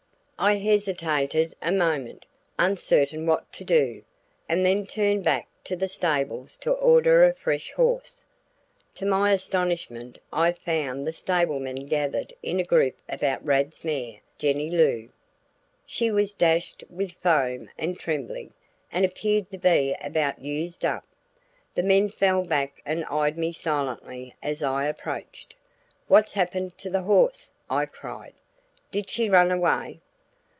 I hesitated a moment, uncertain what to do, and then turned back to the stables to order a fresh horse. To my astonishment I found the stable men gathered in a group about Rad's mare, Jennie Loo. She was dashed with foam and trembling, and appeared to be about used up. The men fell back and eyed me silently as I approached. "What's happened to the horse?" I cried. "Did she run away?"